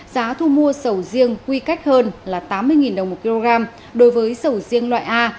giá thu mua sầu riêng quy cách hơn là tám mươi đồng một kg đối với sầu riêng loại a